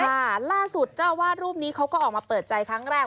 ล่าสุดเจ้าวาดรูปนี้เขาก็ออกมาเปิดใจครั้งแรก